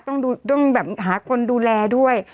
ต้องแบบหาคนดูแลด้วย